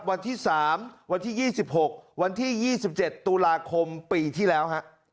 วันที่๓วันที่๒๖วันที่๒๗ตุลาคมปีที่แล้วฮะ